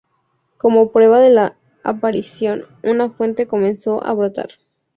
Como prueba de la aparición, una fuente comenzó a brotar.